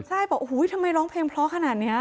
ใช่บอกโอ้โหทำไมร้องเพลงเพราะขนาดนี้